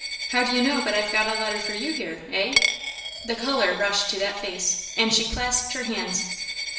"How do you know but I've got a letter for you here, eh?" The colour rushed to that face, and she clasped her hands.